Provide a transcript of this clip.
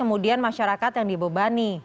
kemudian masyarakat yang dibebani